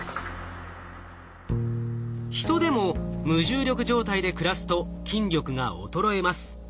ヒトでも無重力状態で暮らすと筋力が衰えます。